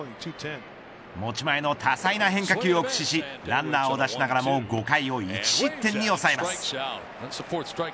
持ち前の多彩な変化球を駆使しランナーを出しながらも５回を１失点に抑えます。